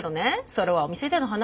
それはお店での話。